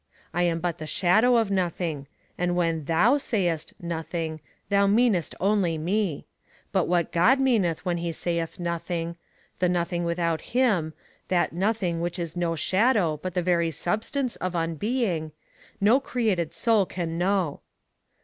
I am but the shadow of Nothing, and when THOU sayest NOTHING, thou meanest only me; but what God meaneth when he sayeth NOTHING the nothing without him, that nothing which is no shadow but the very substance of Unbeing no created soul can know.